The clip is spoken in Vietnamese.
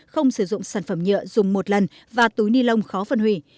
không sử dụng sản phẩm nhựa dùng một lần và túi ni lông khó phân hủy